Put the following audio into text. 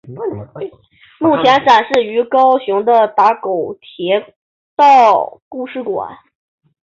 目前展示于高雄的打狗铁道故事馆。